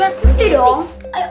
liat dikali dong